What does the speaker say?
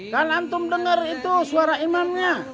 kan antum dengar itu suara imamnya